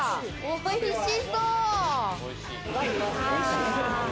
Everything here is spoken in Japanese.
おいしそう！